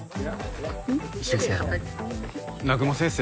先生あの南雲先生